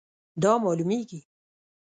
دا معلومیږي